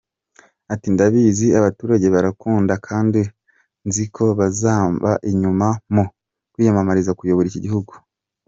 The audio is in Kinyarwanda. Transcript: Ati “Ndabizi abaturage barankunda kandi nziko bazamba inyuma mu kwiyamamariza kuyobora iki gihugu”.